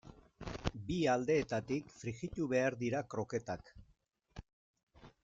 Bi aldeetatik frijitu behar dira kroketak.